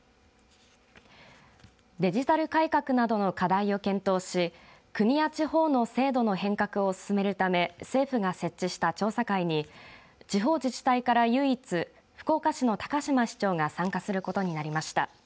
デジタル改革などの課題を検討し国や地方の制度の変革を進めるため政府が設置した調査会に地方自治体から唯一福岡市の高島市長が参加することになりました。